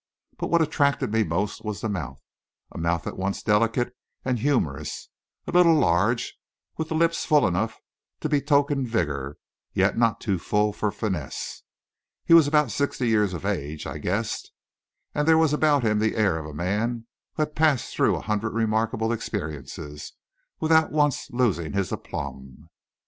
But what attracted me most was the mouth a mouth at once delicate and humourous, a little large and with the lips full enough to betoken vigour, yet not too full for fineness. He was about sixty years of age, I guessed; and there was about him the air of a man who had passed through a hundred remarkable experiences, without once losing his aplomb.